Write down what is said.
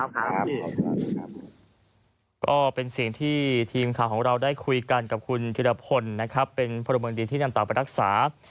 ก็เป็นสิ่งที่ทีมข่าวของเราได้คุยกันกับคุณธิรพลนะครับเป็นพลเมืองดีที่นำเต่าไปรักษา